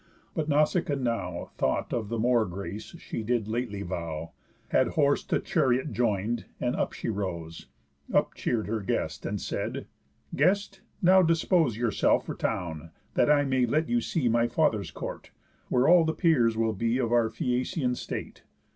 But Nausicaa now Thought of the more grace she did lately vow, Had horse to chariot join'd, and up she rose, Up cheer'd her guest, and said: "Guest, now dispose Yourself for town, that I may let you see My father's court, where all the peers will be Of our Phæacian state.